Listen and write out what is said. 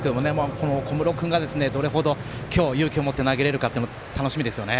この小室君がどれほど今日、勇気を持って投げられるかが楽しみですよね。